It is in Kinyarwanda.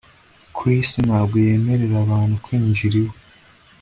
Chris ntabwo yemerera abantu kwinjira iwe